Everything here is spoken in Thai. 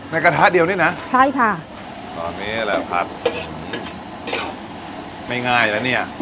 กระทะเดียวนี่นะใช่ค่ะตอนนี้แหละครับไม่ง่ายแล้วเนี่ย